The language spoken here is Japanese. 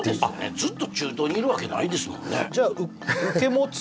ずっと中東にいるわけないですもんね